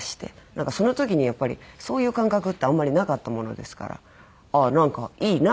なんかその時にやっぱりそういう感覚ってあんまりなかったものですからああなんかいいな